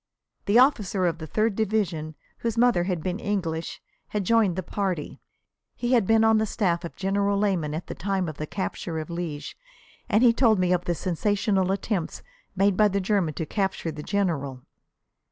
The officer of the Third Division, whose mother had been English, had joined the party. He had been on the staff of General Leman at the time of the capture of Liège, and he told me of the sensational attempt made by the Germans to capture the General.